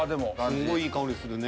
すごいいい香りするね。